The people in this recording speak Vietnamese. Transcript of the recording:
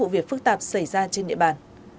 việc phức tạp xảy ra trên địa bàn